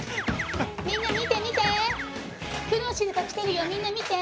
みんな見て見て！